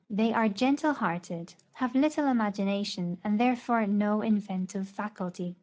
They are gentle hearted, have little imagination, and therefore no inventive faculty.